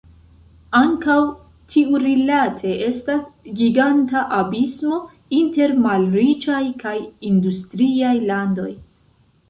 Ankaŭ tiurilate estas giganta abismo inter malriĉaj kaj industriaj landoj.